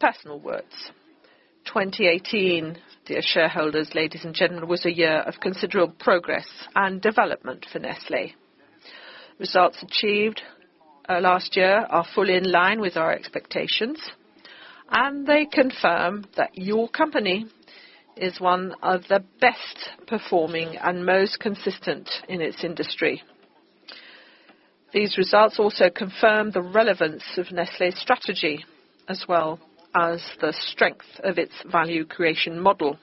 Personal words. 2018, dear shareholders, ladies and gentlemen, was a year of considerable progress and development for Nestlé. Results achieved last year are fully in line with our expectations. They confirm that your company is one of the best performing and most consistent in its industry. These results also confirm the relevance of Nestlé's strategy, as well as the strength of its value creation model.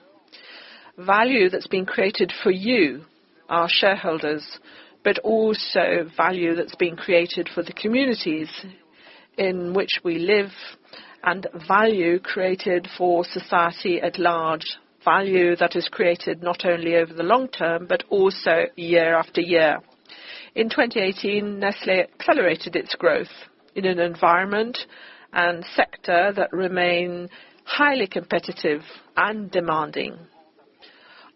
Value that's been created for you, our shareholders, but also value that's been created for the communities in which we live, and value created for society at large. Value that is created not only over the long term, but also year after year. In 2018, Nestlé accelerated its growth in an environment and sector that remain highly competitive and demanding.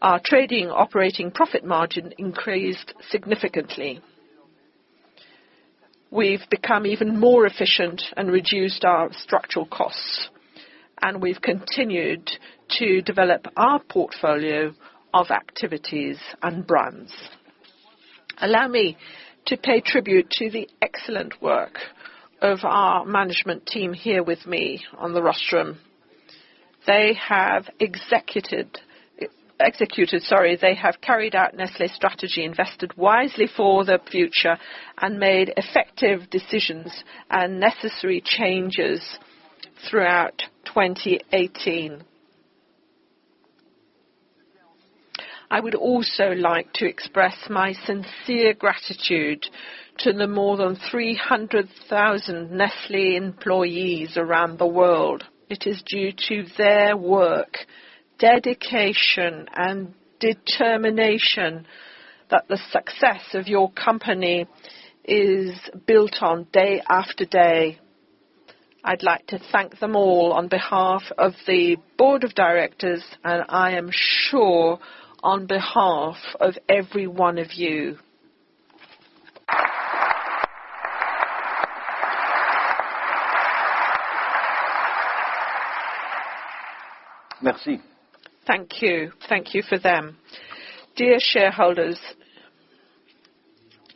Our trading operating profit margin increased significantly. We've become even more efficient and reduced our structural costs. We've continued to develop our portfolio of activities and brands. Allow me to pay tribute to the excellent work of our management team here with me on the rostrum. They have carried out Nestlé's strategy, invested wisely for the future, and made effective decisions and necessary changes throughout 2018. I would also like to express my sincere gratitude to the more than 300,000 Nestlé employees around the world. It is due to their work, dedication, and determination that the success of your company is built on day after day. I'd like to thank them all on behalf of the board of directors. I am sure on behalf of every one of you. Merci. Thank you. Thank you for them. Dear shareholders,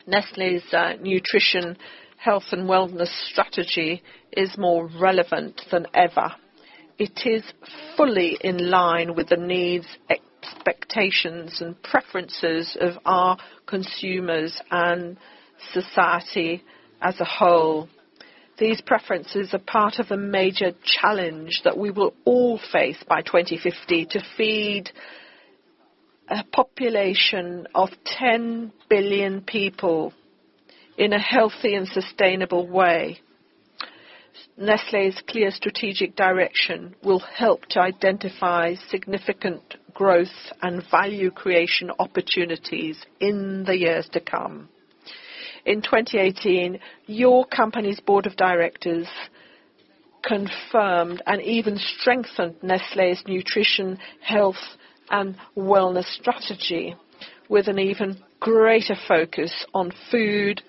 Nestlé's Nutrition, Health and Wellness strategy is more relevant than ever. It is fully in line with the needs, expectations, and preferences of our consumers and society as a whole. These preferences are part of a major challenge that we will all face by 2050 to feed a population of 10 billion people in a healthy and sustainable way. Nestlé's clear strategic direction will help to identify significant growth and value creation opportunities in the years to come. In 2018, your company's board of directors confirmed and even strengthened Nestlé's Nutrition, Health and Wellness strategy with an even greater focus on food,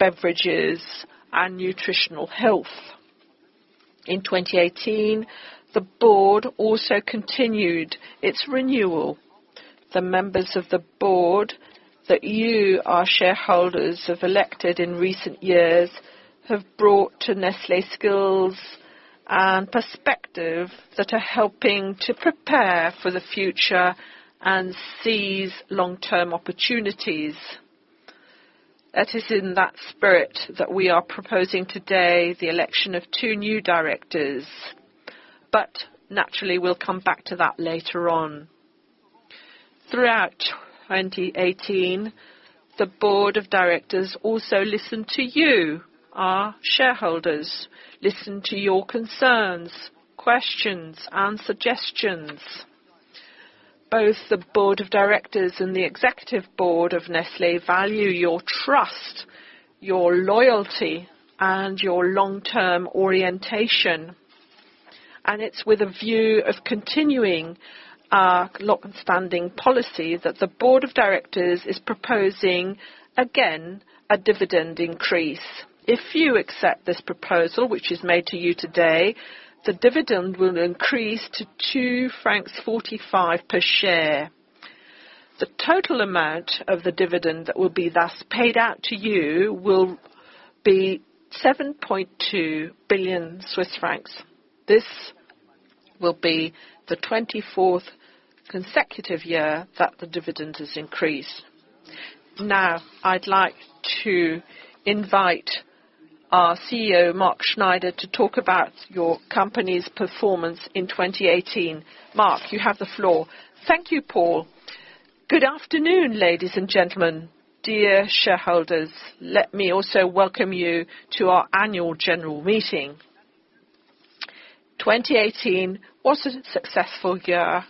beverages, and nutritional health. In 2018, the board also continued its renewal. The members of the board that you, our shareholders, have elected in recent years have brought to Nestlé skills and perspective that are helping to prepare for the future and seize long-term opportunities. It is in that spirit that we are proposing today the election of two new directors. Naturally, we'll come back to that later on. Throughout 2018, the board of directors also listened to you, our shareholders, listened to your concerns, questions, and suggestions. Both the board of directors and the executive board of Nestlé value your trust, your loyalty, and your long-term orientation. It's with a view of continuing our long-standing policy that the board of directors is proposing, again, a dividend increase. If you accept this proposal, which is made to you today, the dividend will increase to 2.45 francs per share. The total amount of the dividend that will be thus paid out to you will be 7.2 billion Swiss francs. This will be the 24th consecutive year that the dividend has increased. I'd like to invite our CEO, Mark Schneider, to talk about your company's performance in 2018. Mark, you have the floor. Thank you, Paul. Good afternoon, ladies and gentlemen. Dear shareholders, let me also welcome you to our annual general meeting. 2018 was a successful year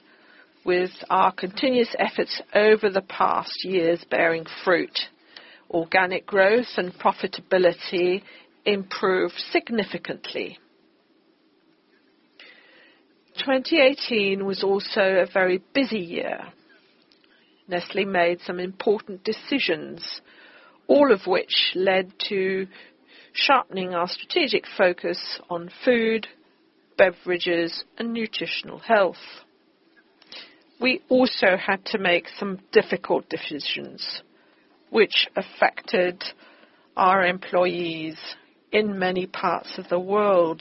with our continuous efforts over the past years bearing fruit. Organic growth and profitability improved significantly. 2018 was also a very busy year. Nestlé made some important decisions, all of which led to sharpening our strategic focus on food, beverages, and nutritional health. We also had to make some difficult decisions, which affected our employees in many parts of the world.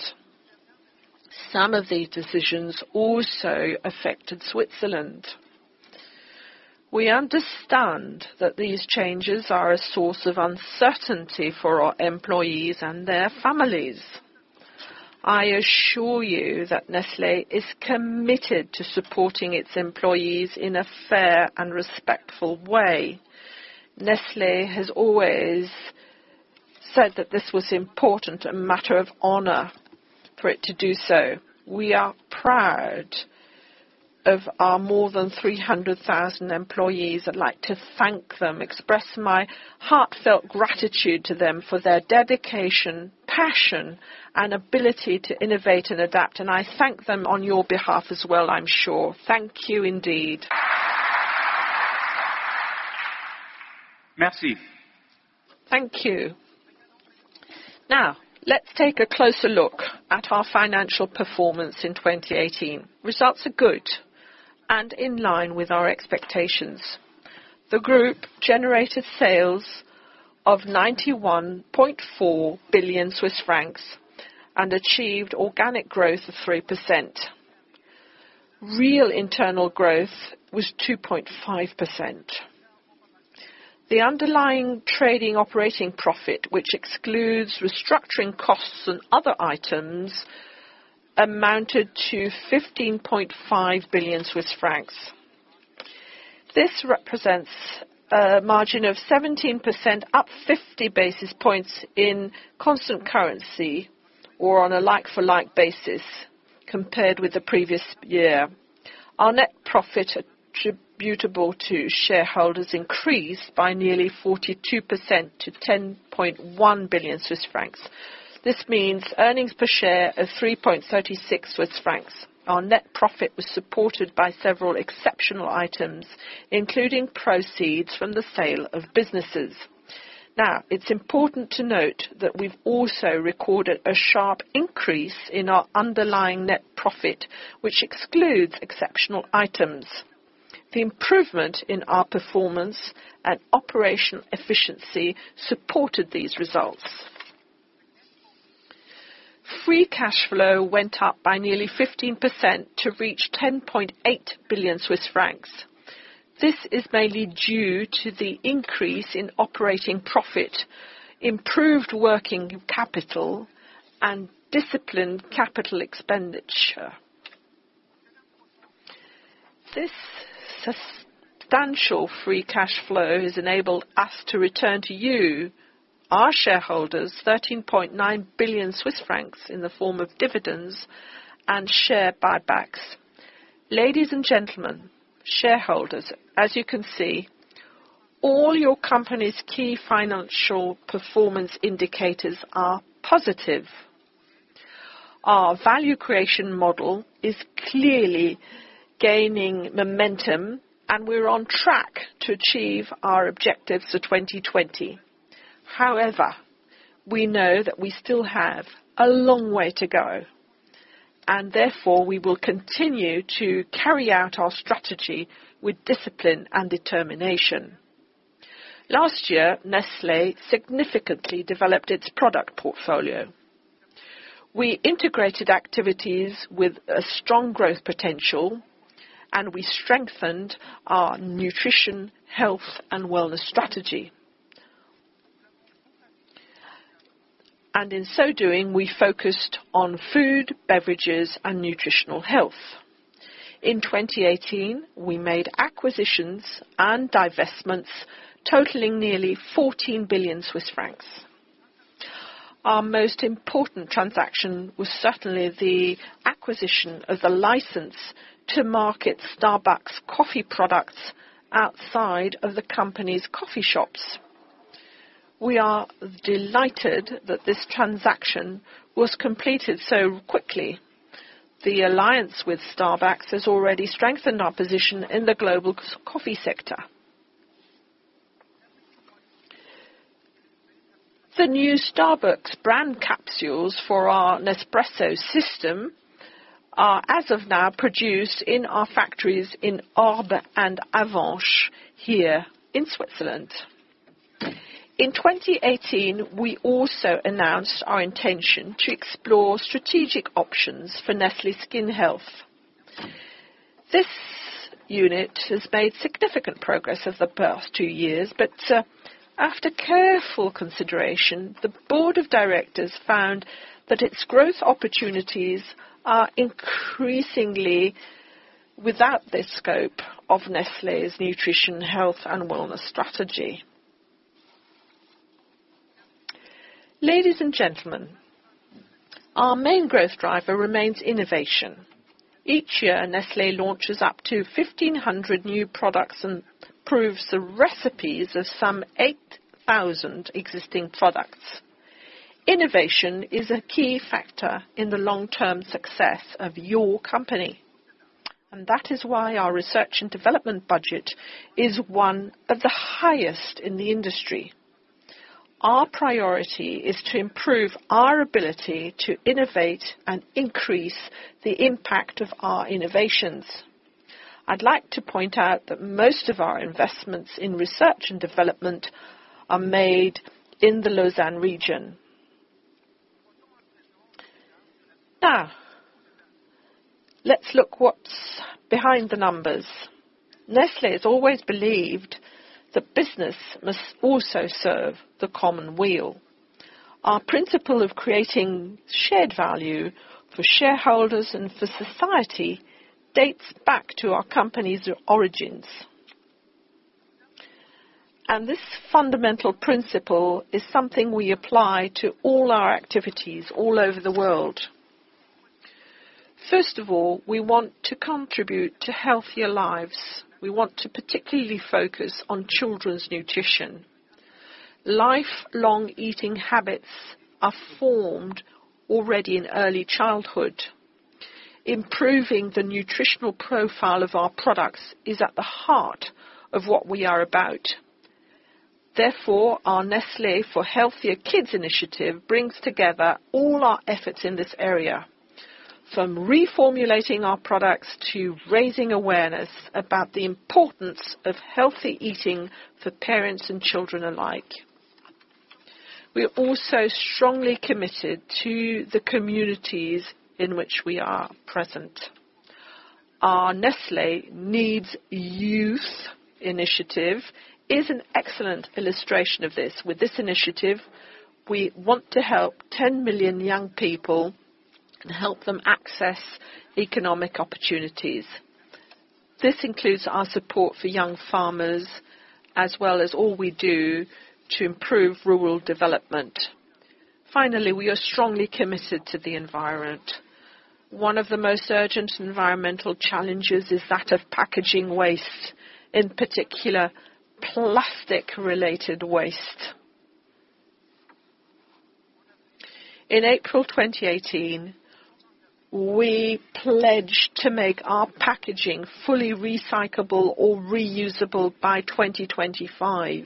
Some of these decisions also affected Switzerland. We understand that these changes are a source of uncertainty for our employees and their families. I assure you that Nestlé is committed to supporting its employees in a fair and respectful way. Nestlé has always said that this was important, a matter of honor, for it to do so. We are proud of our more than 300,000 employees. I'd like to thank them, express my heartfelt gratitude to them for their dedication, passion, and ability to innovate and adapt, and I thank them on your behalf as well, I'm sure. Thank you indeed. Merci. Thank you. Let's take a closer look at our financial performance in 2018. Results are good and in line with our expectations. The group generated sales of 91.4 billion Swiss francs and achieved organic growth of 3%. Real internal growth was 2.5%. The underlying trading operating profit, which excludes restructuring costs and other items, amounted to 15.5 billion Swiss francs. This represents a margin of 17%, up 50 basis points in constant currency, or on a like-for-like basis, compared with the previous year. Our net profit attributable to shareholders increased by nearly 42% to 10.1 billion Swiss francs. This means earnings per share of 3.36 Swiss francs. Our net profit was supported by several exceptional items, including proceeds from the sale of businesses. It's important to note that we've also recorded a sharp increase in our underlying net profit, which excludes exceptional items. The improvement in our performance and operational efficiency supported these results. Free cash flow went up by nearly 15% to reach 10.8 billion Swiss francs. This is mainly due to the increase in operating profit, improved working capital, and disciplined capital expenditure. This substantial free cash flow has enabled us to return to you, our shareholders, 13.9 billion Swiss francs in the form of dividends and share buybacks. Ladies and gentlemen, shareholders, as you can see, all your company's key financial performance indicators are positive. Our value creation model is clearly gaining momentum, and we're on track to achieve our objectives for 2020. We know that we still have a long way to go, and therefore, we will continue to carry out our strategy with discipline and determination. Last year, Nestlé significantly developed its product portfolio. We integrated activities with a strong growth potential. We strengthened our Nutrition, Health and Wellness strategy. In so doing, we focused on food, beverages, and nutritional health. In 2018, we made acquisitions and divestments totaling nearly 14 billion Swiss francs. Our most important transaction was certainly the acquisition of the license to market Starbucks coffee products outside of the company's coffee shops. We are delighted that this transaction was completed so quickly. The alliance with Starbucks has already strengthened our position in the global coffee sector. The new Starbucks brand capsules for our Nespresso system are as of now produced in our factories in Orbe and Avenches here in Switzerland. In 2018, we also announced our intention to explore strategic options for Nestlé Skin Health. This unit has made significant progress over the past 2 years. After careful consideration, the board of directors found that its growth opportunities are increasingly without the scope of Nestlé's Nutrition, Health and Wellness strategy. Ladies and gentlemen, our main growth driver remains innovation. Each year, Nestlé launches up to 1,500 new products and improves the recipes of some 8,000 existing products. Innovation is a key factor in the long-term success of your company. That is why our research and development budget is one of the highest in the industry. Our priority is to improve our ability to innovate and increase the impact of our innovations. I'd like to point out that most of our investments in research and development are made in the Lausanne region. Let's look what's behind the numbers. Nestlé has always believed that business must also serve the common weal. Our principle of Creating Shared Value for shareholders and for society dates back to our company's origins. This fundamental principle is something we apply to all our activities all over the world. First of all, we want to contribute to healthier lives. We want to particularly focus on children's nutrition. Lifelong eating habits are formed already in early childhood. Improving the nutritional profile of our products is at the heart of what we are about. Therefore, our Nestlé for Healthier Kids initiative brings together all our efforts in this area, from reformulating our products to raising awareness about the importance of healthy eating for parents and children alike. We are also strongly committed to the communities in which we are present. Our Nestlé needs YOUth initiative is an excellent illustration of this. With this initiative, we want to help 10 million young people and help them access economic opportunities. This includes our support for young farmers, as well as all we do to improve rural development. Finally, we are strongly committed to the environment. One of the most urgent environmental challenges is that of packaging waste, in particular, plastic-related waste. In April 2018, we pledged to make our packaging fully recyclable or reusable by 2025.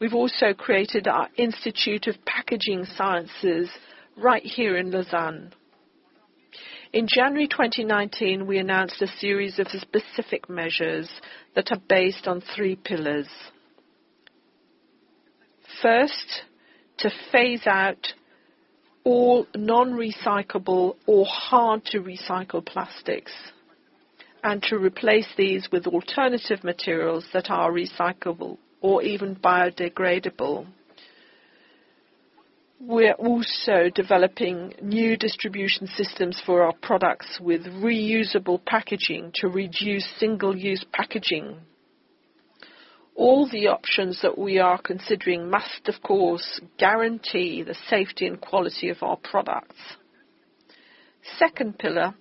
We've also created our Institute of Packaging Sciences right here in Lausanne. In January 2019, we announced a series of specific measures that are based on three pillars. First, to phase out all non-recyclable or hard-to-recycle plastics, and to replace these with alternative materials that are recyclable or even biodegradable. We're also developing new distribution systems for our products with reusable packaging to reduce single-use packaging. All the options that we are considering must, of course, guarantee the safety and quality of our products. Second pillar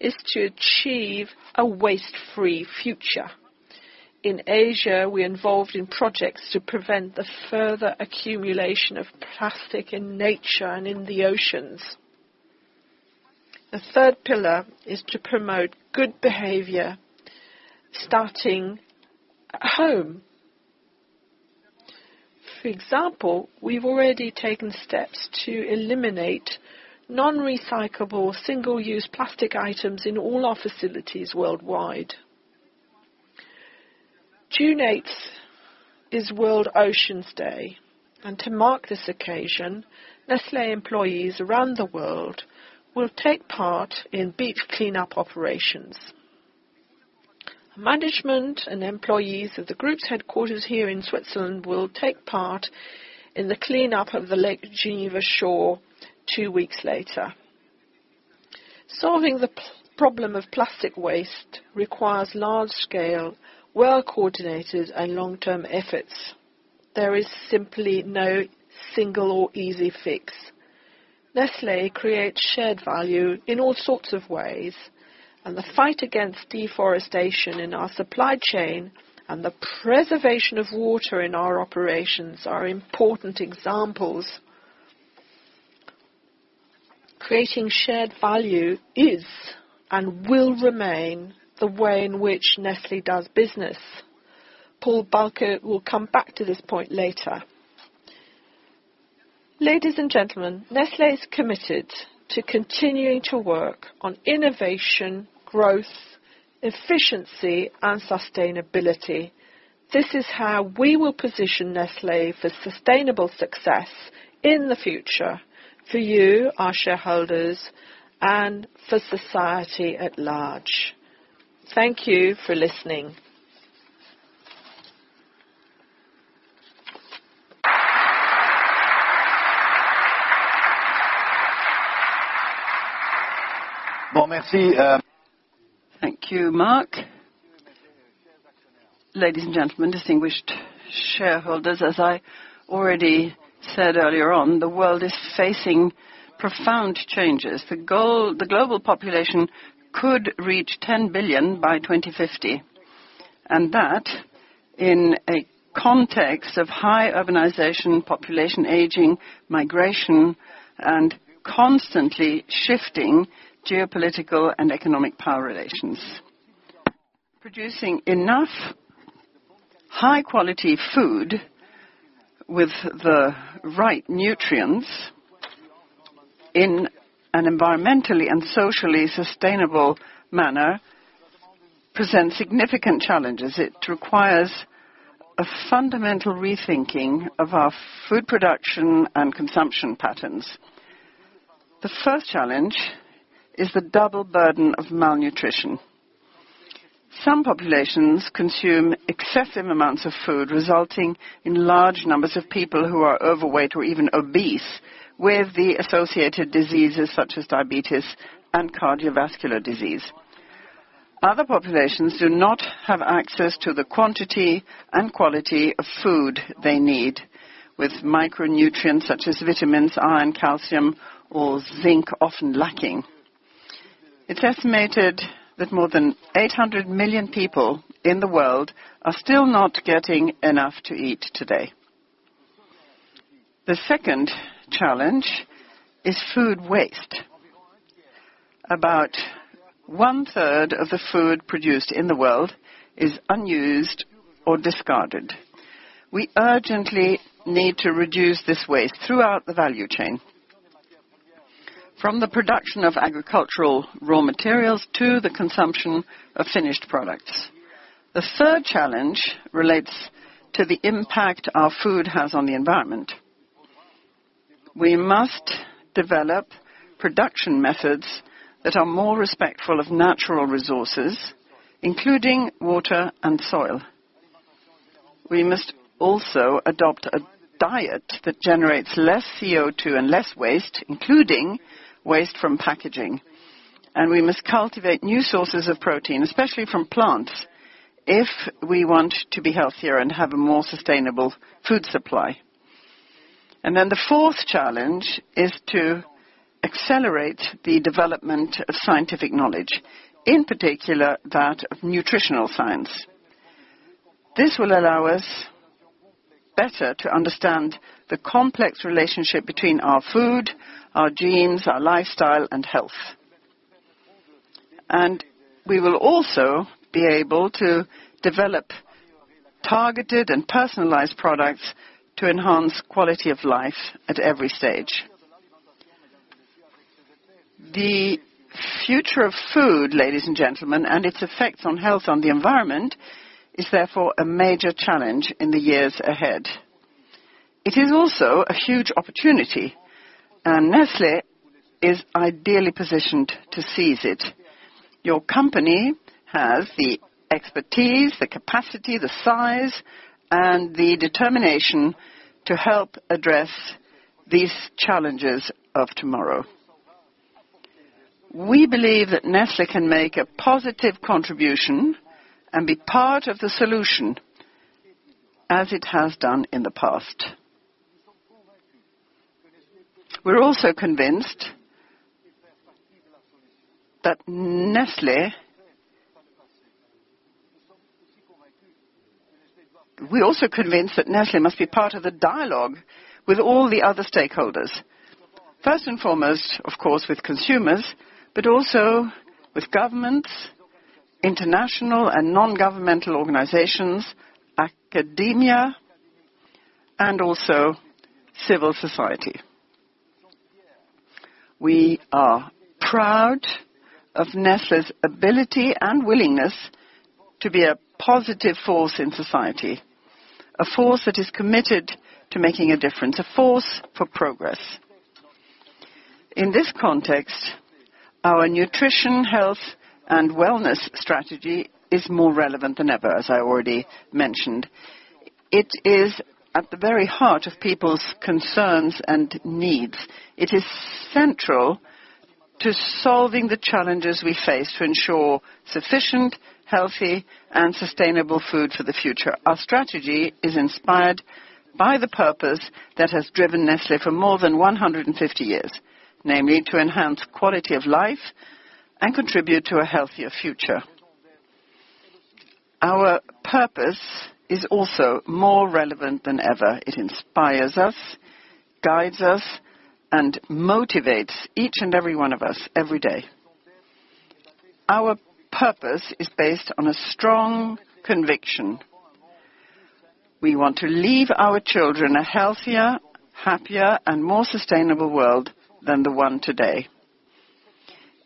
is to achieve a waste-free future. In Asia, we're involved in projects to prevent the further accumulation of plastic in nature and in the oceans. The third pillar is to promote good behavior, starting at home. For example, we've already taken steps to eliminate non-recyclable, single-use plastic items in all our facilities worldwide. June 8th is World Oceans Day, and to mark this occasion, Nestlé employees around the world will take part in beach cleanup operations. Management and employees of the group's headquarters here in Switzerland will take part in the cleanup of the Lake Geneva shore two weeks later. Solving the problem of plastic waste requires large-scale, well-coordinated, and long-term efforts. There is simply no single or easy fix. Nestlé Creating Shared Value in all sorts of ways, and the fight against deforestation in our supply chain and the preservation of water in our operations are important examples. Creating Shared Value is and will remain the way in which Nestlé does business. Paul Bulcke will come back to this point later. Ladies and gentlemen, Nestlé is committed to continuing to work on innovation, growth, efficiency, and sustainability. This is how we will position Nestlé for sustainable success in the future for you, our shareholders, and for society at large. Thank you for listening. Thank you, Mark. Ladies and gentlemen, distinguished shareholders, as I already said earlier on, the world is facing profound changes. The global population could reach 10 billion by 2050. That in a context of high urbanization, population aging, migration, and constantly shifting geopolitical and economic power relations. Producing enough high-quality food with the right nutrients in an environmentally and socially sustainable manner presents significant challenges. It requires a fundamental rethinking of our food production and consumption patterns. The first challenge is the double burden of malnutrition. Some populations consume excessive amounts of food, resulting in large numbers of people who are overweight or even obese, with the associated diseases such as diabetes and cardiovascular disease. Other populations do not have access to the quantity and quality of food they need, with micronutrients such as vitamins, iron, calcium, or zinc often lacking. It's estimated that more than 800 million people in the world are still not getting enough to eat today. The second challenge is food waste. About one-third of the food produced in the world is unused or discarded. We urgently need to reduce this waste throughout the value chain. From the production of agricultural raw materials to the consumption of finished products. The third challenge relates to the impact our food has on the environment. We must develop production methods that are more respectful of natural resources, including water and soil. We must also adopt a diet that generates less CO2 and less waste, including waste from packaging, and we must cultivate new sources of protein, especially from plants, if we want to be healthier and have a more sustainable food supply. The fourth challenge is to accelerate the development of scientific knowledge, in particular that of nutritional science. This will allow us better to understand the complex relationship between our food, our genes, our lifestyle, and health. We will also be able to develop targeted and personalized products to enhance quality of life at every stage. The future of food, ladies and gentlemen, and its effects on health on the environment is therefore a major challenge in the years ahead. It is also a huge opportunity, and Nestlé is ideally positioned to seize it. Your company has the expertise, the capacity, the size, and the determination to help address these challenges of tomorrow. We believe that Nestlé can make a positive contribution and be part of the solution, as it has done in the past. We're also convinced that Nestlé must be part of the dialogue with all the other stakeholders. First and foremost, of course, with consumers, but also with governments, international and non-governmental organizations, academia, and also civil society. We are proud of Nestlé's ability and willingness to be a positive force in society, a force that is committed to making a difference, a force for progress. In this context, our Nutrition, Health and Wellness strategy is more relevant than ever, as I already mentioned. It is at the very heart of people's concerns and needs. It is central to solving the challenges we face to ensure sufficient, healthy, and sustainable food for the future. Our strategy is inspired by the purpose that has driven Nestlé for more than 150 years, namely, to enhance quality of life and contribute to a healthier future. Our purpose is also more relevant than ever. It inspires us, guides us, and motivates each and every one of us every day. Our purpose is based on a strong conviction. We want to leave our children a healthier, happier, and more sustainable world than the one today.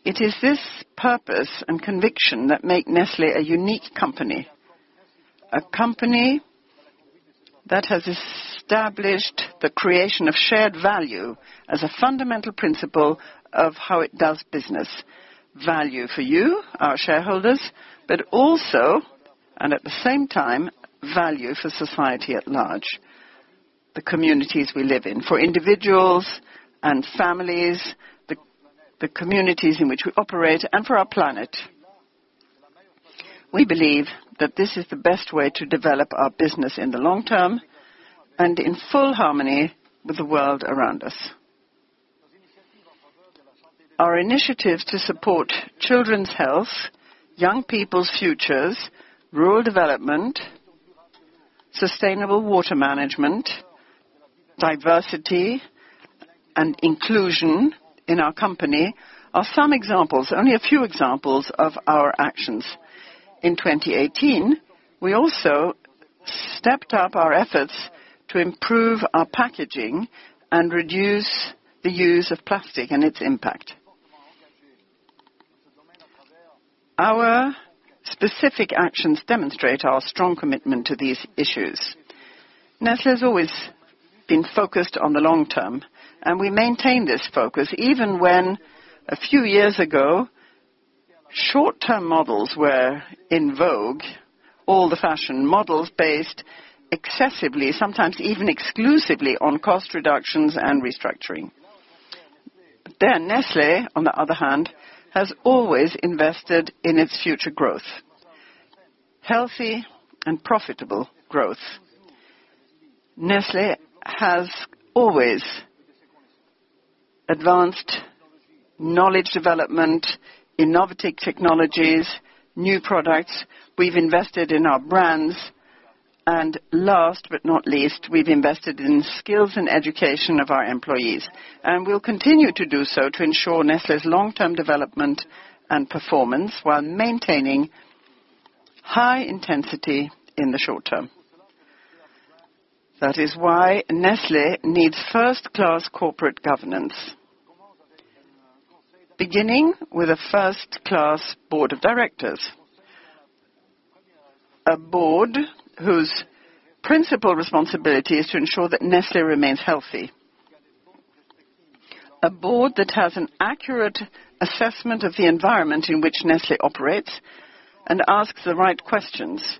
It is this purpose and conviction that make Nestlé a unique company, a company that has established the Creating Shared Value as a fundamental principle of how it does business. Value for you, our shareholders, but also, and at the same time, value for society at large, the communities we live in, for individuals and families, the communities in which we operate, and for our planet. We believe that this is the best way to develop our business in the long term and in full harmony with the world around us. Our initiatives to support children's health, young people's futures, rural development, sustainable water management, diversity, and inclusion in our company are some examples, only a few examples of our actions. In 2018, we also stepped up our efforts to improve our packaging and reduce the use of plastic and its impact. Our specific actions demonstrate our strong commitment to these issues. Nestlé has always been focused on the long term, and we maintain this focus even when, a few years ago, short-term models were in vogue. All the fashion models based excessively, sometimes even exclusively, on cost reductions and restructuring. Nestlé, on the other hand, has always invested in its future growth. Healthy and profitable growth. Nestlé has always advanced knowledge development, innovative technologies, new products. We've invested in our brands. Last but not least, we've invested in skills and education of our employees. We'll continue to do so to ensure Nestlé's long-term development and performance while maintaining high intensity in the short term. That is why Nestlé needs first-class corporate governance, beginning with a first-class board of directors. A board whose principal responsibility is to ensure that Nestlé remains healthy. A board that has an accurate assessment of the environment in which Nestlé operates and asks the right questions.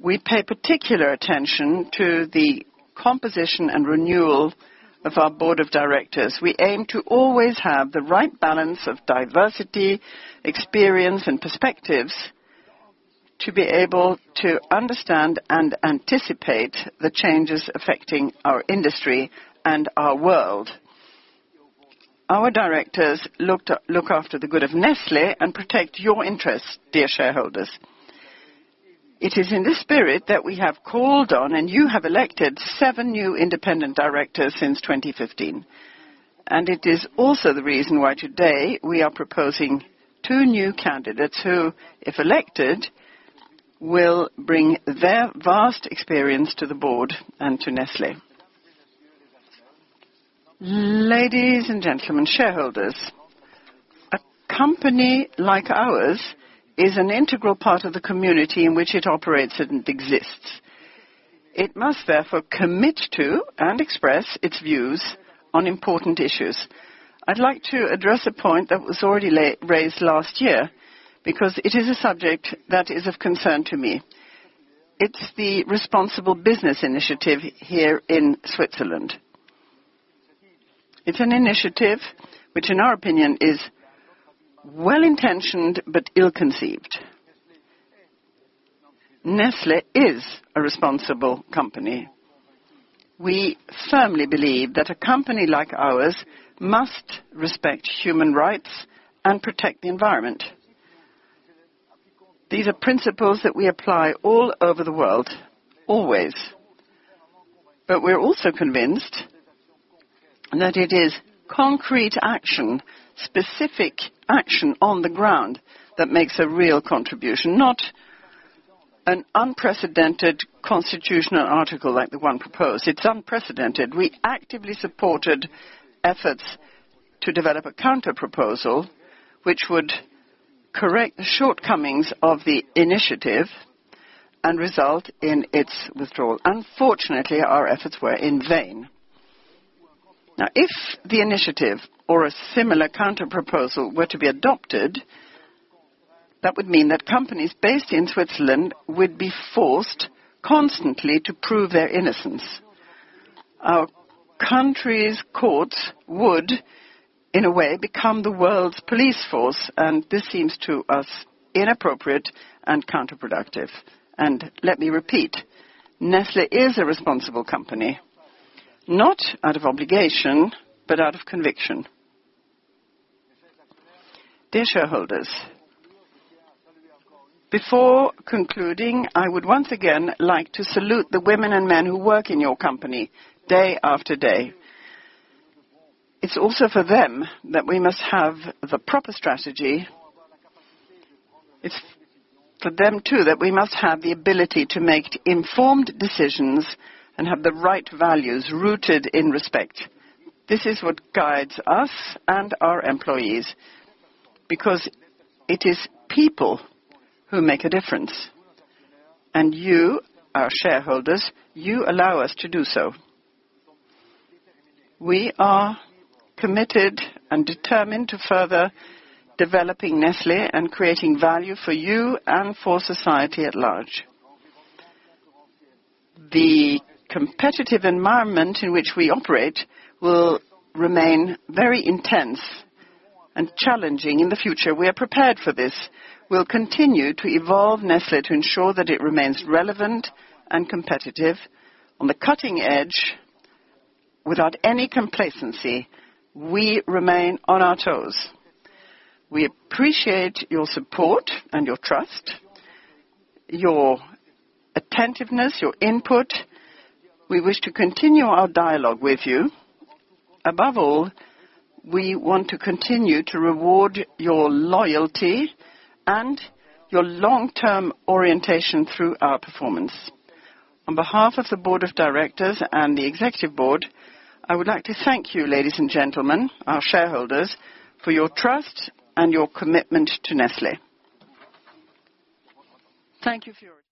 We pay particular attention to the composition and renewal of our board of directors. We aim to always have the right balance of diversity, experience, and perspectives to be able to understand and anticipate the changes affecting our industry and our world. Our directors look after the good of Nestlé and protect your interests, dear shareholders. It is in this spirit that we have called on, and you have elected seven new independent directors since 2015. It is also the reason why today we are proposing two new candidates who, if elected, will bring their vast experience to the board and to Nestlé. Ladies and gentlemen, shareholders, a company like ours is an integral part of the community in which it operates and exists. It must therefore commit to and express its views on important issues. I'd like to address a point that was already raised last year because it is a subject that is of concern to me. It's the Responsible Business Initiative here in Switzerland. It's an initiative which, in our opinion, is well-intentioned but ill-conceived. Nestlé is a responsible company. We firmly believe that a company like ours must respect human rights and protect the environment. These are principles that we apply all over the world, always. We're also convinced that it is concrete action, specific action on the ground that makes a real contribution, not an unprecedented constitutional article like the one proposed. It's unprecedented. We actively supported efforts to develop a counterproposal which would correct the shortcomings of the initiative and result in its withdrawal. Unfortunately, our efforts were in vain. Now, if the initiative or a similar counterproposal were to be adopted, that would mean that companies based in Switzerland would be forced constantly to prove their innocence. Our country's courts would, in a way, become the world's police force, and this seems to us inappropriate and counterproductive. Let me repeat, Nestlé is a responsible company, not out of obligation, but out of conviction. Dear shareholders, before concluding, I would once again like to salute the women and men who work in your company day after day. It's also for them that we must have the proper strategy. It's for them, too, that we must have the ability to make informed decisions and have the right values rooted in respect. This is what guides us and our employees because it is people who make a difference. You, our shareholders, you allow us to do so. We are committed and determined to further developing Nestlé and Creating Shared Value for you and for society at large. The competitive environment in which we operate will remain very intense and challenging in the future. We are prepared for this. We'll continue to evolve Nestlé to ensure that it remains relevant and competitive on the cutting edge without any complacency. We remain on our toes. We appreciate your support and your trust, your attentiveness, your input. We wish to continue our dialogue with you. Above all, we want to continue to reward your loyalty and your long-term orientation through our performance. On behalf of the board of directors and the executive board, I would like to thank you, ladies and gentlemen, our shareholders, for your trust and your commitment to Nestlé. Thank you for your attention.